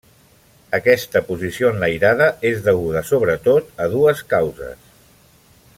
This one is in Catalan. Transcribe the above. Aquesta posició enlairada és deguda sobretot a dues causes.